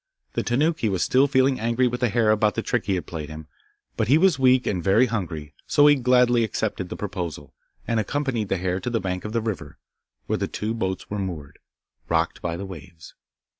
The Tanuki was still feeling angry with the hare about the trick he had played him, but he was weak and very hungry, so he gladly accepted the proposal, and accompanied the hare to the bank of the river, where the two boats were moored, rocked by the waves.